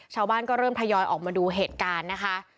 ชาวบ้านก็เริ่มทยอยออกมาดูเหตุการณ์นะคะ